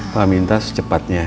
papa minta secepatnya